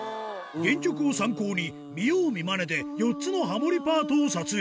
原曲を参考に、見よう見まねで４つのハモりパートを撮影。